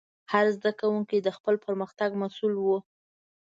هر زده کوونکی د خپل پرمختګ مسؤل و.